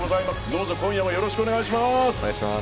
どうぞ今夜もよろしくお願いします。